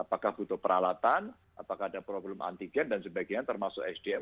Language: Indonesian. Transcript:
apakah butuh peralatan apakah ada problem antigen dan sebagainya termasuk sdm